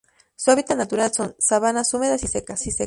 Su hábitat natural son: sabanas húmedas y secas.